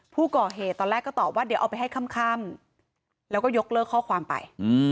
ผู้ก่อเหตุตอนแรกก็ตอบว่าเดี๋ยวเอาไปให้ค่ำแล้วก็ยกเลิกข้อความไป